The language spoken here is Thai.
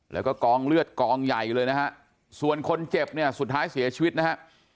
แล้วก็กองเลือดกองใหญ่เลยนะฮะส่วนคนเจ็บเนี่ยสุดท้ายเสียชีวิตนะฮะ